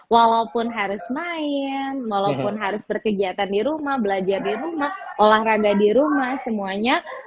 walaupun harus main walaupun harus berkegiatan di rumah belajar di rumah olahraga di rumah semuanya